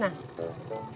tidak kakak terima kasih